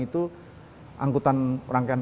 itu angkutan rangkaian